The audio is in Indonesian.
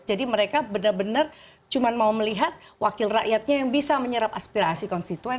jadi mereka benar benar cuma mau melihat wakil rakyatnya yang bisa menyerap aspirasi konstituen